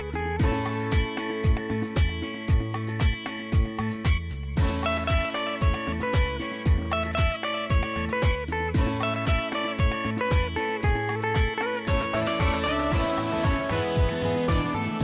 โปรดติดตามตอนต่อไป